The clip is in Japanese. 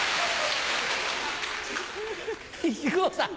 木久扇さん。